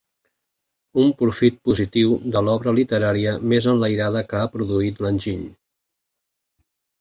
Un profit positiu de l'obra literària més enlairada que ha produït l'enginy.